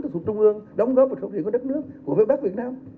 thuộc trung ương đóng góp và thống thiện với đất nước của phía bắc việt nam